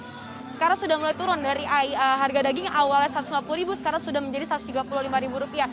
sekarang sudah mulai turun dari harga daging yang awalnya rp satu ratus lima puluh sekarang sudah menjadi rp satu ratus tiga puluh lima